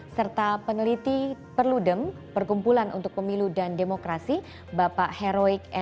serta peneliti perludem perkumpulan untuk pemilu dan demokrasi bapak heroik